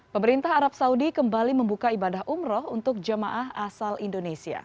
pemerintah arab saudi kembali membuka ibadah umroh untuk jemaah asal indonesia